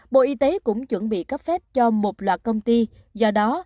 bộ y tế cũng chuẩn bị cấp phép cho một loạt công ty do đó